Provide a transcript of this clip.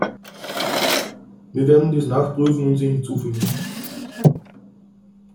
Wir werden dies nachprüfen und Sie hinzufügen.